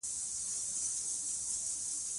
سنگ مرمر د افغان ماشومانو د لوبو موضوع ده.